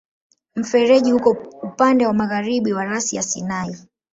Mfereji uko upande wa magharibi wa rasi ya Sinai.